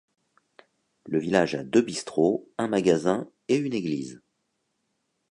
Le village a deux bistrots, un magasin et une église.